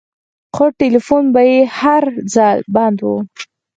خو ټېلفون به يې هر ځل بند و.